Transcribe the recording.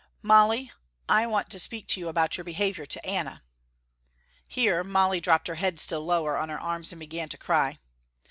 "Molly, I want to speak to you about your behaviour to Anna!", here Molly dropped her head still lower on her arms and began to cry.